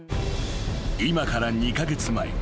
［今から２カ月前］